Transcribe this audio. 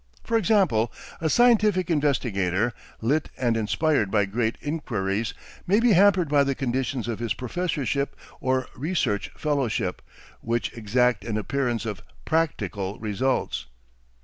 For example a scientific investigator, lit and inspired by great inquiries, may be hampered by the conditions of his professorship or research fellowship, which exact an appearance of "practical" results.